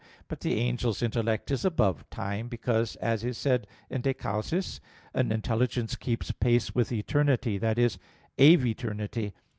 But the angel's intellect is above time; because, as is said in De Causis, "an intelligence keeps pace with eternity," that is, aeviternity.